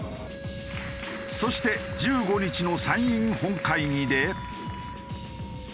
そして１５日の参院本会議で。